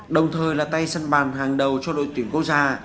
đồng thời là tay sân bàn hàng đầu cho đội tuyển quốc gia